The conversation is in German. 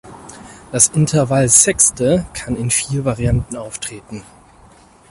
Das Intervall Sexte kann in vier Varianten auftreten.